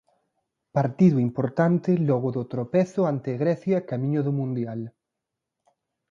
Partido importante logo do tropezo ante Grecia camiño do mundial.